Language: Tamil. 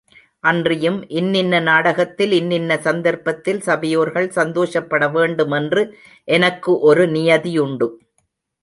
அன்றியும் இன்னின்ன நாடகத்தில் இன்னின்ன சந்தர்ப்பத்தில் சபையோர்கள் சந்தோஷப்படவேண்டும் என்று எனக்கு ஒரு நியதியுண்டு.